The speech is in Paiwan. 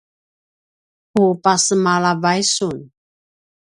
ku pasemalavay sun